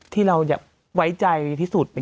ที่เราไว้ใจที่สุด